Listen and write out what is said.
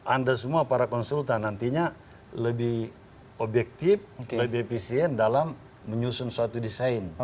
anda semua para konsultan nantinya lebih objektif lebih efisien dalam menyusun suatu desain